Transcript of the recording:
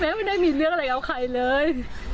แม่ไม่ได้มีเลือกอะไรเอาใครเลย